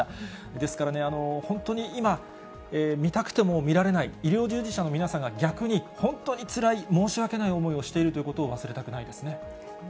ですから、本当に今、診たくても診られない、医療従事者の皆さんが逆に、本当につらい、申し訳ない思いをしているということを忘れたくないですね。